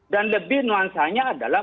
dan lebih nuansanya adalah